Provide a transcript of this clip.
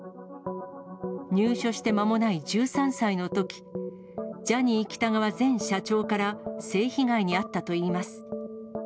入所して間もない１３歳のとき、ジャニー喜多川前社長から性被害に遭ったといいます。